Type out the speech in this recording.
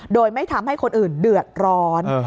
โดยไม่ทำให้คนอื่นเดือดร้อน